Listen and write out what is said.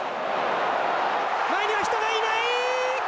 前には人がいない。